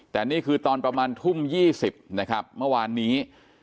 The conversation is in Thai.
แต่นี่คือตอนประมาณทุ่ม๒๐นะครับเมื่อวานนี้